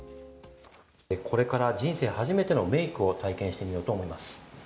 これから人生初めてのメイクを体験してみようと思います。